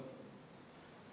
dan juga untuk